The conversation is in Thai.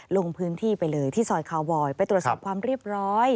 ลงพื้นที่ไปเลยที่ซอยคาวบอยไปตรวจสอบความเรียบร้อย